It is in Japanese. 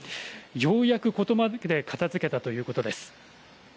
ようやくここまで片づけたということです。